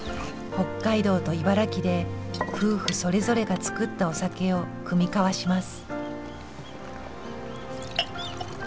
北海道と茨城で夫婦それぞれが造ったお酒を酌み交わします。